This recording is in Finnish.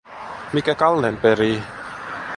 Mikä Kallen perii?